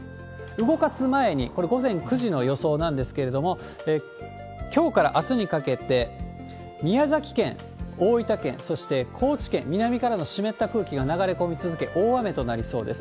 動かす前に、これ、午前９時の予想なんですけれども、きょうからあすにかけて、宮崎県、大分県、そして高知県、南からの湿った空気が流れ込み続け、大雨となりそうです。